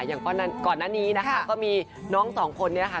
อย่างก่อนหน้านี้นะคะก็มีน้องสองคนเนี่ยค่ะ